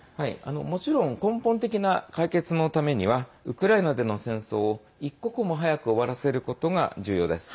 もちろん根本的な解決のためにはウクライナでの戦争を一刻も早く終わらせることが重要です。